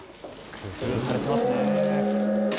工夫されてますね。